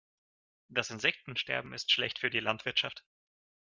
Das Insektensterben ist schlecht für die Landwirtschaft.